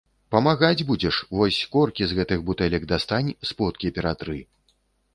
Памагаць будзеш, вось коркі з гэтых бутэлек дастань, сподкі ператры.